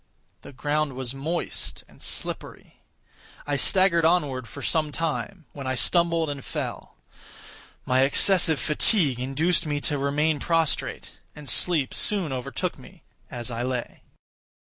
The ground was moist and slippery. I staggered onward for some time, when I stumbled and fell. My excessive fatigue induced me to remain prostrate; and sleep soon overtook me as I lay.